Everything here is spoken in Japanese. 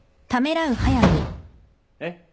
えっ？